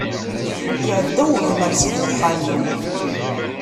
Iɛedda ugmer seg uxxam-iw.